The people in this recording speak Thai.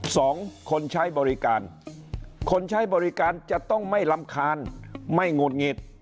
สองคนใช้บริการคนใช้บริการจะต้องไม่รำคาญไม่หงุดหงิด